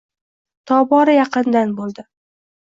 Tobora yaqindan bo‘ldi.